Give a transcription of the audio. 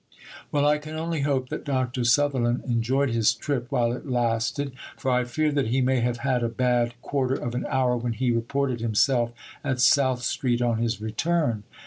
Well, I can only hope that Dr. Sutherland enjoyed his trip while it lasted; for I fear that he may have had a bad quarter of an hour when he reported himself at South Street on his return.